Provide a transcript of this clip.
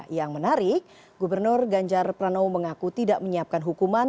yang menarik gubernur ganjar pranowo mengaku tidak menyiapkan hukuman